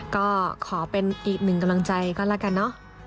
ก็ขอเป็นอีกหนึ่งกำลังใจก็แล้วกันเนอะ